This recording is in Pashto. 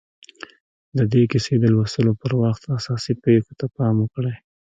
د دې کيسې د لوستلو پر وخت اساسي پېښو ته پام وکړئ.